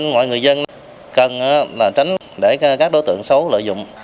mọi người dân cần tránh để các đối tượng xấu lợi dụng